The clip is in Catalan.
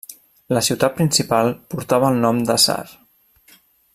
La ciutat principal portava el nom de Tsar.